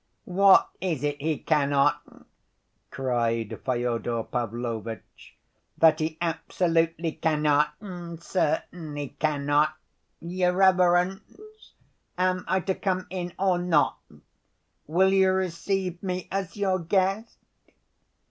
"What is it he cannot?" cried Fyodor Pavlovitch, "that he absolutely cannot and certainly cannot? Your reverence, am I to come in or not? Will you receive me as your guest?"